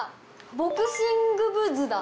ボクシング部ズだ。